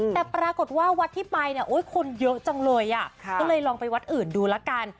แต่ปรากฏว่าวัดที่ไปเนี่ยคนเยอะจังเลยอ่ะก็เลยลองไปวัดอื่นดูละกัน